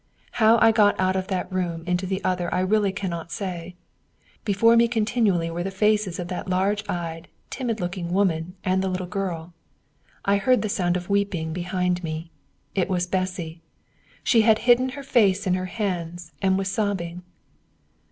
How I got out of that room into the other I really cannot say. Before me continually were the faces of that large eyed, timid looking woman and the little girl. I heard the sound of weeping behind me. It was Bessy. She had hidden her face in her hands, and was sobbing.